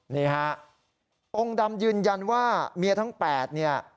นี่ฮะองค์ดำยืนยันว่าเมียทั้ง๘เนี่ย